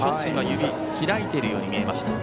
指が開いているように見えました。